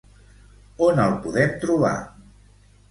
On el podem trobar?